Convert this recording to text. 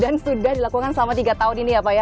dan sudah dilakukan selama tiga tahun ini ya pak ya